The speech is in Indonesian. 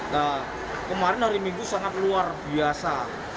nah kemarin hari minggu sangat luar biasa